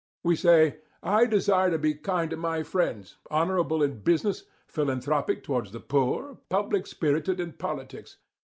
We say: "I desire to be kind to my friends, honourable in business, philanthropic towards the poor, public spirited in politics."